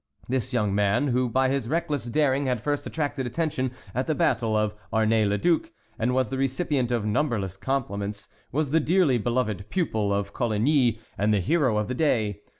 This young man, who by his reckless daring had first attracted attention at the battle of Arnay le Duc and was the recipient of numberless compliments, was the dearly beloved pupil of Coligny and the hero of the day.